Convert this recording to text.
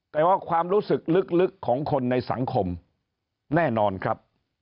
แต่ว่าความรู้สึกลึกของคนในสังคมแน่นอนครับ